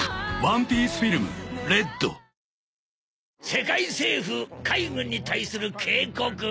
世界政府海軍に対する警告